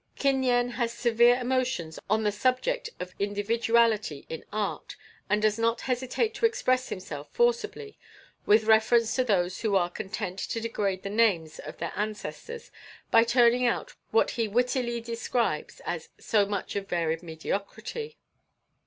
Kin Yen has severe emotions on the subject of individuality in art, and does not hesitate to express himself forcibly with reference to those who are content to degrade the names of their ancestors by turning out what he wittily describes as "so much of varied mediocrity."